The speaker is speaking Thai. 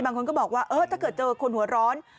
บางคนก็บอกว่าเออถ้าเกิดเจอคนหัวร้อน